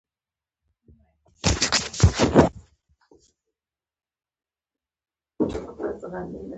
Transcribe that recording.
زه د بیر له یوه غټ منګي سره پر چوکۍ کښېناستم.